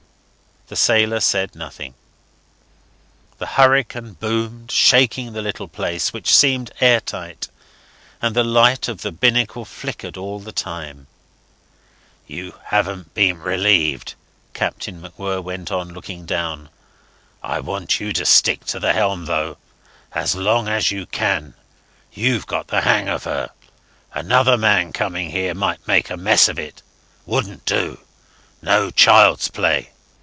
The sailor said nothing. The hurricane boomed, shaking the little place, which seemed air tight; and the light of the binnacle flickered all the time. "You haven't been relieved," Captain MacWhirr went on, looking down. "I want you to stick to the helm, though, as long as you can. You've got the hang of her. Another man coming here might make a mess of it. Wouldn't do. No child's play.